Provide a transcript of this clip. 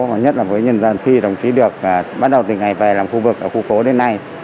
mà nhất là với nhân dân khi đồng chí được bắt đầu từ ngày về làm khu vực ở khu phố đến nay